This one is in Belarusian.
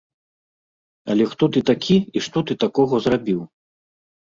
Але хто ты такі і што ты такога зрабіў?